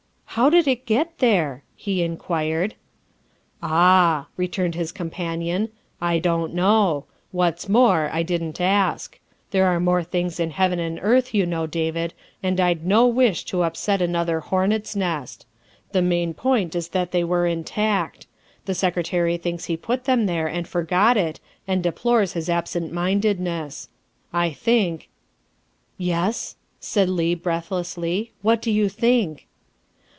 '' How did it get there ?" he inquired. "Ah," returned his companion, " I don't know. What's more, I didn't ask. ' There are more things in heaven and earth, ' you know, David, and I 'd no wish to THE SECRETARY OF STATE 343 upset another hornets' nest. The main point is that they were intact. The Secretary thinks he put them there and forgot it and deplores his absentmindedness. I think " Yes," said Leigh breathlessly, " what do you think?"